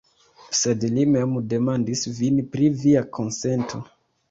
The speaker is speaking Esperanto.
Sed li mem demandis vin pri via konsento.